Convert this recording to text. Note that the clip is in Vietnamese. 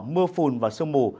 mưa phùn và sương mù